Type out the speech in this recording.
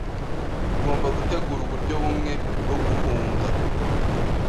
Tugomba gutegura uburyo bumwe bwo guhunga.